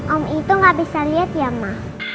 om itu gak bisa liat ya ma